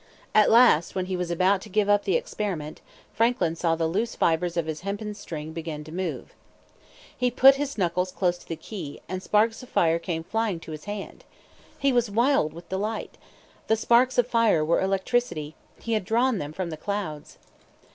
At last, when he was about to give up the experiment, Franklin saw the loose fibres of his hempen string begin to move. He put his knuckles close to the key, and sparks of fire came flying to his hand. He was wild with delight. The sparks of fire were electricity; he had drawn them from the clouds.